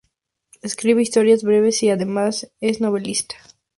Escribe historias breves y además es novelista.